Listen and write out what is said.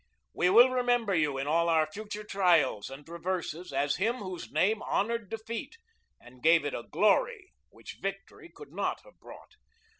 We will remember you in all our future trials and reverses as him whose name honored defeat and gave it a glory which victory could not have brought.